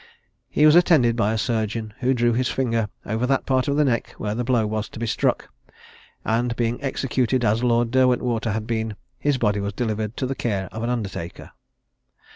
He was attended by a surgeon, who drew his finger over that part of the neck where the blow was to be struck; and being executed as Lord Derwentwater had been, his body was delivered to the care of an undertaker.